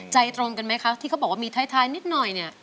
ใจตรงกันไหมคะที่เขาบอกว่ามีท้ายนิดหน่อยเนี่ย